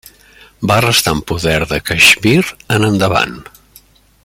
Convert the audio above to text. Va restar en poder de Caixmir en endavant.